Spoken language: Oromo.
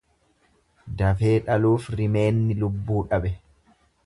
Dafee dhaluuf rimeenni lubbuu dhabe.